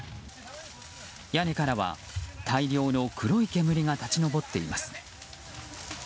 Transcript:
屋根からは大量の黒い煙が立ち上っています。